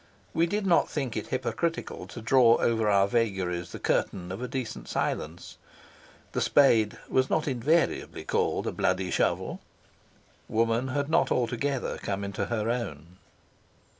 We did not think it hypocritical to draw over our vagaries the curtain of a decent silence. The spade was not invariably called a bloody shovel. Woman had not yet altogether come into her own.